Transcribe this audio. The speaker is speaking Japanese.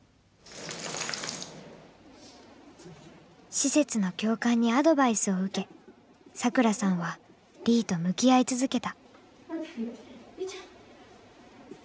施設の教官にアドバイスを受けサクラさんはリィと向き合い続けた。